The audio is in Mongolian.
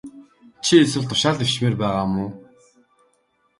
Чи эсвэл тушаал дэвшмээр байна уу?